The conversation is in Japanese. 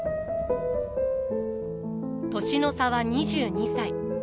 年の差は２２歳。